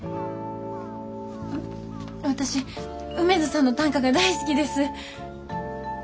私梅津さんの短歌が大好きです。